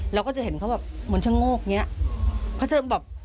เราก็จะเห็นเขาเหมือนช่างโง่กอย่างนี้